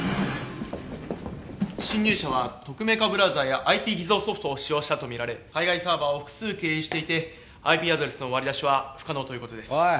侵入者は匿名化ブラウザやＩＰ偽造ソフトを使用したと見られ海外サーバーを複数経由していてＩＰアドレスの割り出しは不可能という事です。